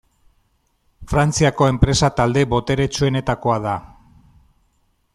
Frantziako enpresa talde boteretsuenetakoa da.